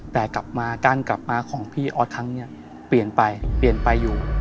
แต่กลับมาการกลับมาของพี่ออสครั้งนี้เปลี่ยนไปเปลี่ยนไปอยู่